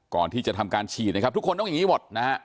ก่อนที่จะทำการฉีดทุกคนต้องอย่างนี้หมด